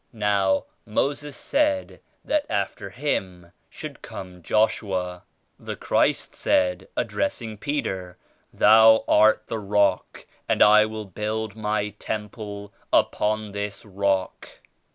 "Now Moses said that after Him should come Joshua. The Christ said, addressing Peter Thou are the Rock and I will build My temple upon this Rock.'